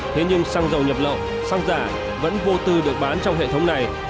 thế nhưng xăng dầu nhập lậu xăng giả vẫn vô tư được bán trong hệ thống này